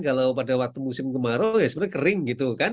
kalau pada waktu musim kemarau ya sebenarnya kering gitu kan